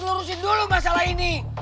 kita harus lurusin dulu masalah ini